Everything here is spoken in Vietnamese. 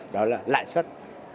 đó là lãi suất